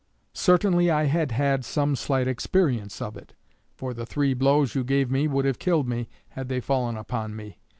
"Certainly I had had some slight experience of it, for the three blows you gave me would have killed me had they fallen upon me.